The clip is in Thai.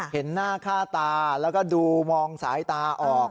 เห็นหน้าค่าตาแล้วก็ดูมองสายตาออก